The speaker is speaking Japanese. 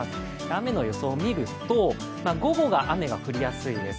雨の予想を見ると午後が雨が降りやすいです。